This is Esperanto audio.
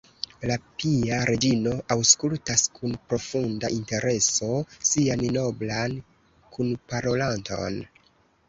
La pia reĝino aŭskultas kun profunda intereso sian noblan kunparolanton.